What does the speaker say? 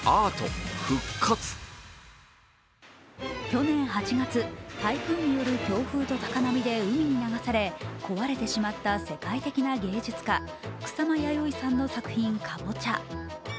去年８月、台風による強風と高波で海に流され壊れてしまった世界的な芸術家・草間彌生さんの作品、かぼちゃ。